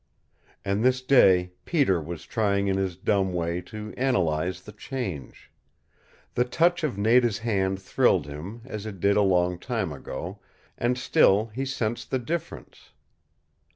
And this day Peter was trying in his dumb way to analyze the change. The touch of Nada's hand thrilled him, as it did a long time ago, and still he sensed the difference.